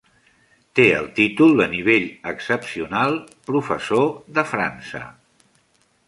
Té el títol de nivell excepcional "Professor" de França.